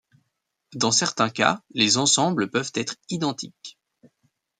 Dans certains cas, les ensembles peuvent être identiques.